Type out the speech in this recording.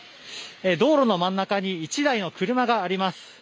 道路の真ん中に１台の車があります。